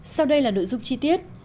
sau đây là nội dung chi tiết